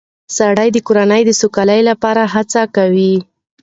سړی د کورنۍ د سوکالۍ لپاره هڅه کوي